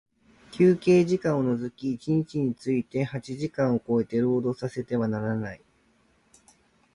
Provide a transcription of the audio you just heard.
休憩時間を除き一日について八時間を超えて、労働させてはならない。